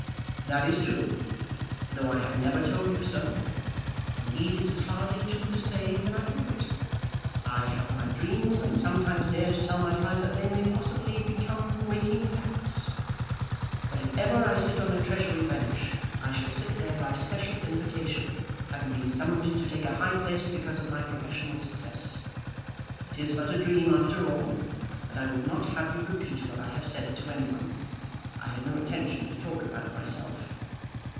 "That is true, though I have never told you so. Indeed, it is hardly true to say that I hope it. I have my dreams, and sometimes dare to tell myself that they may possibly become waking facts. But if ever I sit on a Treasury bench I shall sit there by special invitation, having been summoned to take a high place because of my professional success. It is but a dream after all, and I would not have you repeat what I have said to any one. I had no intention to talk about myself."